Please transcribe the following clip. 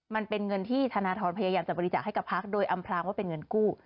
มันเป็นเงินที่ธนทรพยายามจะบริจาคให้กับพักโดยอำพลางว่าเป็นเงินกู้